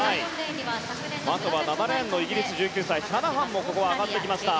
あとは７レーンのイギリス１９歳、シャナハンもここは上がってきました。